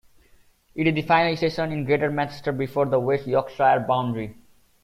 It is the final station in Greater Manchester before the West Yorkshire boundary.